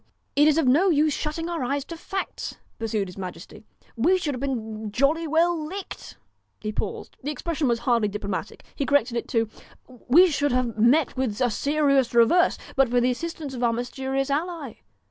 1 It is of no use our shutting our eyes to facts,' pur sued his majesty. 'We should have been jolly well licked' he paused the expression was hardly diplomatic, he corrected it to 'we should have met with a serious reverse, but for the assist ance of our mysterious ally.